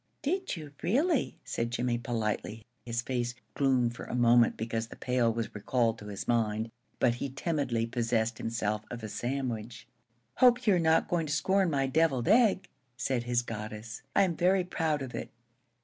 "Did you really?" said Jimmie, politely. His face gloomed for a moment because the pail was recalled to his mind, but he timidly possessed himself of a sandwich. "Hope you are not going to scorn my deviled egg," said his goddess. "I am very proud of it."